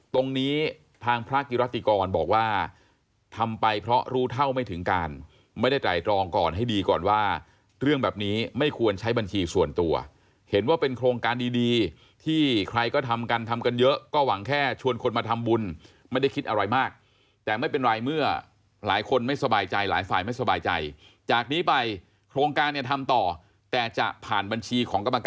ตรงนี้ทางพระกิรติกรบอกว่าทำไปเพราะรู้เท่าไม่ถึงการไม่ได้ไตรรองก่อนให้ดีก่อนว่าเรื่องแบบนี้ไม่ควรใช้บัญชีส่วนตัวเห็นว่าเป็นโครงการดีที่ใครก็ทำกันทำกันเยอะก็หวังแค่ชวนคนมาทำบุญไม่ได้คิดอะไรมากแต่ไม่เป็นไรเมื่อหลายคนไม่สบายใจหลายฝ่ายไม่สบายใจจากนี้ไปโครงการเนี่ยทำต่อแต่จะผ่านบัญชีของก